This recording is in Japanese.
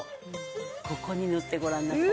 ここに塗ってご覧なさい。